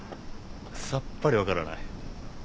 さっぱり分からない。